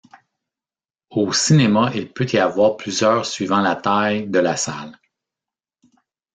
Au cinéma, il peut y avoir plusieurs suivant la taille de la salle.